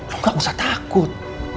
lo gak usah takut